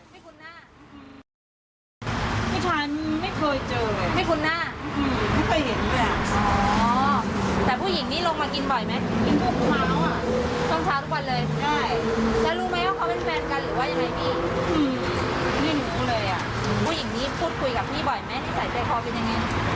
พี่ชายมือไม่เคยเจอเลย